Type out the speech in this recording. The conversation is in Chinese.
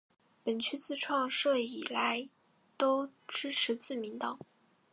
本区自创设以来都支持自民党。